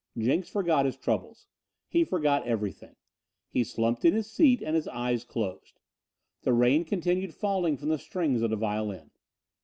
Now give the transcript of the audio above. Jenks forgot his troubles. He forgot everything. He slumped in his seat and his eyes closed. The rain continued falling from the strings of the violin.